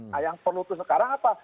nah yang perlu itu sekarang apa